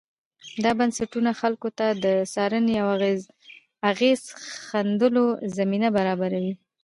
دا بنسټونه خلکو ته د څارنې او اغېز ښندلو زمینه برابروي.